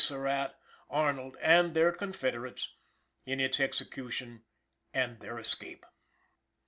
Surratt, Arnold and their confederates, in its execution and their escape.